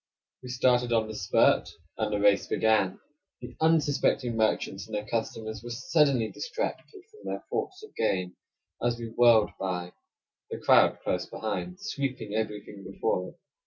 We started on the spurt; and the race began. The unsuspecting merchants and their customers were suddenly distracted from their thoughts of gain as we whirled by; the crowd close behind sweeping everything before it.